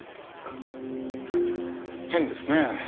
変ですねえ。